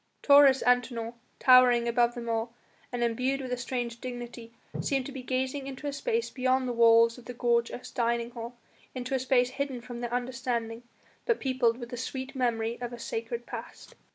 Taurus Antinor, towering above them all, and imbued with a strange dignity, seemed to be gazing into a space beyond the walls of the gorgeous dining hall; into a space hidden from their understanding but peopled with the sweet memory of a sacred past.